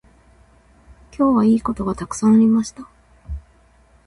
今日はいいことがたくさんありました。